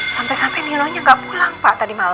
sampai sampai nino nya gak pulang pak tadi malam